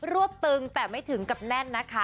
วบตึงแต่ไม่ถึงกับแน่นนะคะ